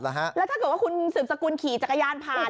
แล้วถ้าเกิดว่าคุณสืบสกุลขี่จักรยานผ่าน